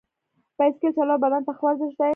بایسکل چلول بدن ته ښه ورزش دی.